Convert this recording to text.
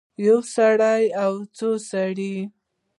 یو سړی او څو سړي